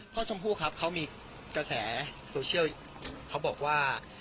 ชมพู่ครับเขามีกระแสโซเชียลเขาบอกว่า